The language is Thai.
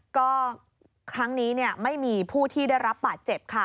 ก็ครั้งนี้ไม่มีผู้ที่ได้รับบาดเจ็บค่ะ